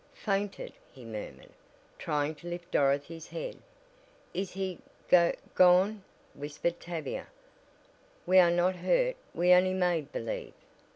"Fainted!" he murmured, trying to lift Dorothy's head. "Is he go gone?" whispered Tavia. "We are not hurt. We only made believe!"